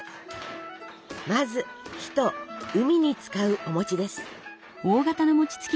まず日と海に使うお餅です。